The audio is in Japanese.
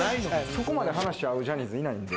そこまで話し合うジャニーズいないんで。